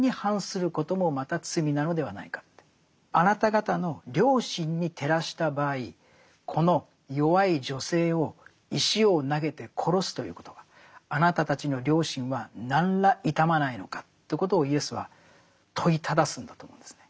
あなた方の良心に照らした場合この弱い女性を石を投げて殺すということはあなたたちの良心は何ら痛まないのかということをイエスは問いただすんだと思うんですね。